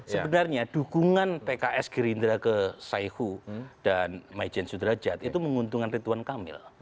sebenarnya dukungan pks gerindra ke saihu dan majen sudrajat itu menguntungkan rituan kamil